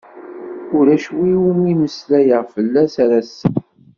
Ulac win umi meslayeɣ fell-as ar ass-a.